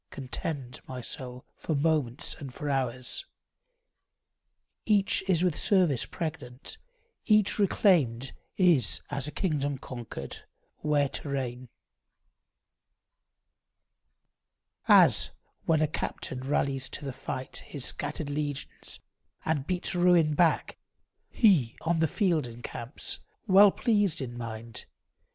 Contend, my soul, for moments and for hours; Each is with service pregnant; each reclaimed Is as a kingdom conquered, where to reign. As when a captain rallies to the fight His scattered legions, and beats ruin back, He, on the field, encamps, well pleased in mind.